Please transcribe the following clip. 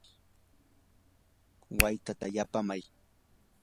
watyata yapaamay.